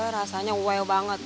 rasanya well banget